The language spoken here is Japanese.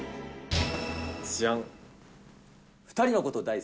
じゃん。